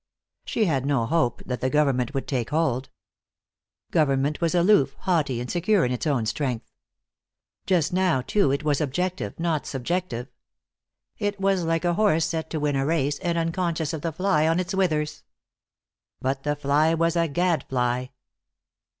She had no hope that the government would take hold. Government was aloof, haughty, and secure in its own strength. Just now, too, it was objective, not subjective. It was like a horse set to win a race, and unconscious of the fly on its withers. But the fly was a gadfly.